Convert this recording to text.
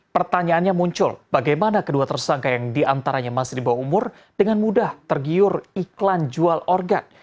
pertanyaannya muncul bagaimana kedua tersangka yang diantaranya masih di bawah umur dengan mudah tergiur iklan jual organ